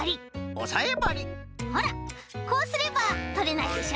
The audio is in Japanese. おさえばりほらこうすればとれないでしょ